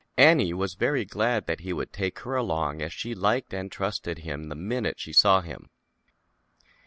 Annie was very glad that he would take her along as she liked and trusted him the minute she saw him.